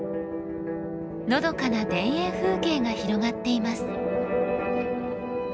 のどかな田園風景が広がっています。